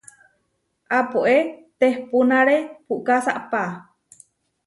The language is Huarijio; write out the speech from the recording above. Apoé tehpúnare puʼká saʼpá.